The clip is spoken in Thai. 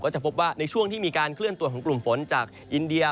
จะพบว่าในช่วงที่มีการเคลื่อนตัวของกลุ่มฝนจากอินเดีย